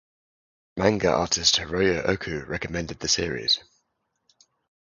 Manga artist Hiroya Oku recommended the series.